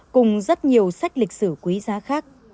cùng rất nhiều sách lịch sử quý giá khác